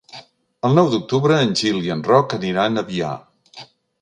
El nou d'octubre en Gil i en Roc aniran a Biar.